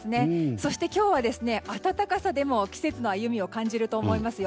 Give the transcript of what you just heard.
そして今日は暖かさでも季節の歩みを感じると思いますよ。